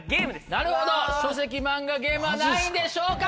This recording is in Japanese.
なるほど書籍・漫画・ゲームは何位でしょうか！